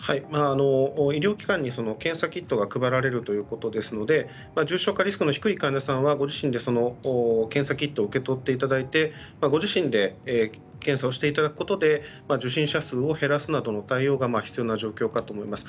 医療機関に検査キットが配られるということですので重症化リスクの低い患者さんはご自身でそのキットを受け取っていただいてご自身で検査をしていただくことで受診者数を減らすなどの対応が必要な状況かと思います。